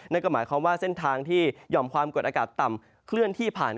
นั่นก็หมายความว่าเส้นทางที่หย่อมความกดอากาศต่ำเคลื่อนที่ผ่าน